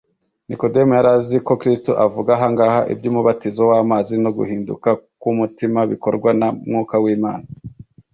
” Nikodemo yari azi ko Kristo avuga ahangaha iby’umubatizo w’amazi no guhinduka kw’umutima bikorwa na Mwuka w’Imana